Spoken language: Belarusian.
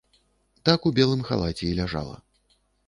Так у белым халаце і ляжала.